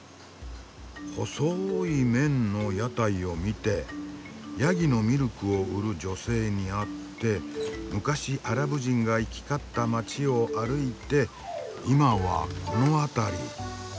細い麺の屋台を見てヤギのミルクを売る女性に会って昔アラブ人が行き交った街を歩いていまはこの辺り。